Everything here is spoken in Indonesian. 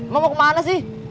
mau kemana sih